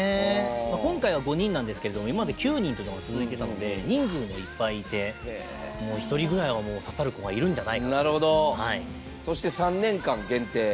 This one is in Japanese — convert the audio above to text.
今回は５人なんですけど今まで９人っていうのが続いていたので人数もいっぱいいて１人ぐらいは刺さる子がそして「３年間限定」。